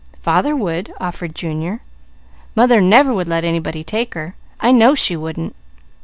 "Father would," offered Junior. "Mother never would let anybody take her. I know she wouldn't."